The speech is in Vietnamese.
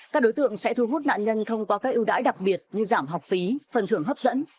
các đối tượng sẽ thu hút nạn nhân thông qua các ưu đãi đặc biệt như giảm học phí phần thưởng hấp dẫn